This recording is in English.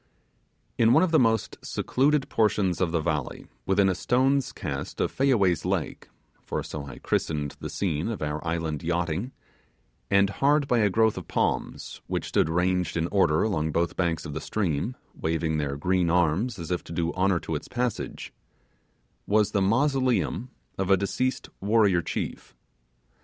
In one of the most secluded portions of the valley within a stone's cast of Fayaway's lake for so I christened the scene of our island yachting and hard by a growth of palms, which stood ranged in order along both banks of the stream, waving their green arms as if to do honour to its passage, was the mausoleum of a deceased, warrior chief.